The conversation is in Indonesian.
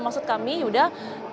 maksud kami sudah tercapai